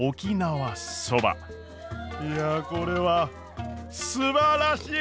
いやこれはすばらしい！